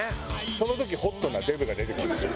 その時ホットなデブが出てくるのよ。